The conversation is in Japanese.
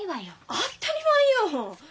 当ったり前よ！